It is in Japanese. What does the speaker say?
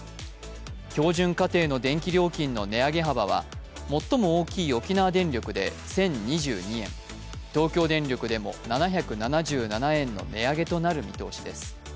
標準家庭の電気料金の値上げ幅は最も大きい沖縄電力で１０２２円、東京電力でも７７７円の値上げとなる見通しです。